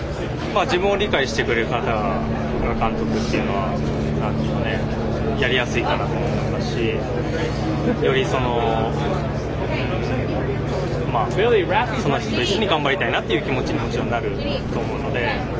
自分を理解してくれる方が監督っていうのはやりやすいかなと思いますしより、その人と一緒に頑張りたいなっていう気持ちにもちろん、なると思うので。